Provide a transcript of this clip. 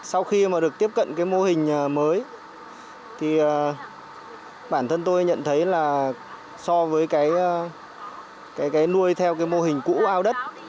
sau khi mà được tiếp cận mô hình mới bản thân tôi nhận thấy so với nuôi theo mô hình cũ ao đất